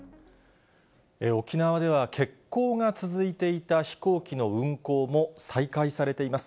沖縄では欠航が続いていた飛行機の運航も再開されています。